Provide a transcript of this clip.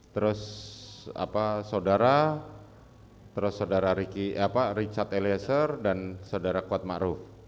terus apa saudara terus saudara richard eliezer dan saudara kuatmaru